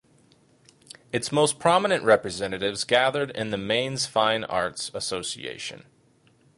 Its most prominent representatives gathered in the Manes Fine Arts Association.